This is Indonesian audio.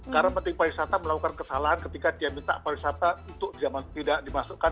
karena penting pariwisata melakukan kesalahan ketika dia minta pariwisata untuk zaman tidak dimasukkan